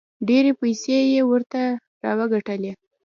ډېرې پیسې یې ورته راوګټلې.